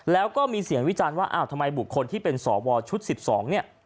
แล้วก็มีเสียงวิจารณ์ว่าอ้าวทำไมบุคคลที่เป็นสวชุด๑๒เนี่ย